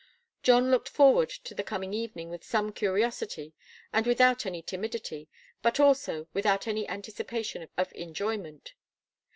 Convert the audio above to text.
John looked forward to the coming evening with some curiosity, and without any timidity, but also without any anticipation of enjoyment.